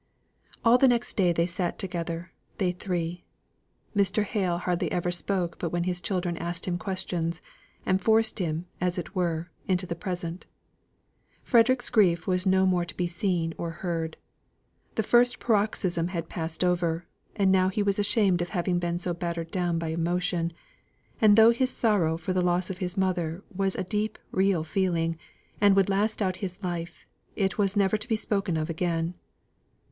All the next day they sate together they three. Mr. Hale hardly ever spoke but when his children asked him questions, and forced him, as it were, into the present. Frederick's grief was no more to be seen or heard; the first paroxysm had passed over, and now he was ashamed of having been so battered down by emotion; and though his sorrow for the loss of his mother was a deep real feeling, and would last out his life, it was never to be spoken of again.